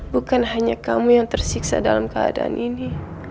bukan hanya kamu yang tersiksa dalam keadaan ini